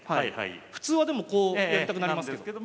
普通はでもこうやりたくなりますけど。